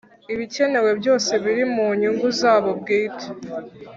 Ibikenewe byose biri mu nyungu zabo bwite